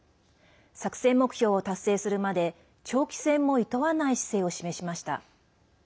作戦目標を達成するまで長期戦もいとわない姿勢を示しました。